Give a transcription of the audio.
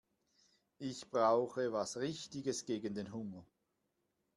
Ich brauche was Richtiges gegen den Hunger.